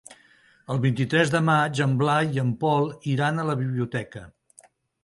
El vint-i-tres de maig en Blai i en Pol iran a la biblioteca.